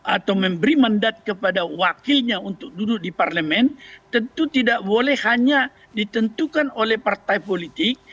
atau memberi mandat kepada wakilnya untuk duduk di parlemen tentu tidak boleh hanya ditentukan oleh partai politik